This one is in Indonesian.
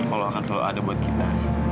allah akan selalu ada buat kita